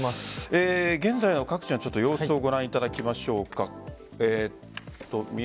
現在の各地の様子をご覧いただきましょうか。